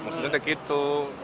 maksudnya kayak gitu